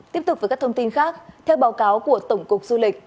tiếp tục với các thông tin khác theo báo cáo của tổng cục du lịch